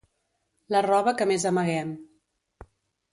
La roba que més amaguem.